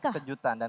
kabar baik kah